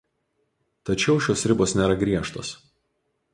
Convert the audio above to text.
Tačiau šios ribos nėra griežtos.